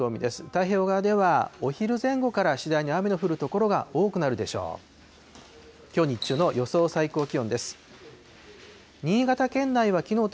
太平洋側ではお昼前後から次第に雨の降る所が多くなるでしょう。